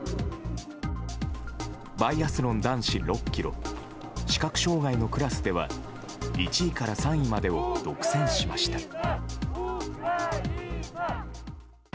バイアスロン男子６ｋｍ視覚障害のクラスでは１位から３位までを独占しました。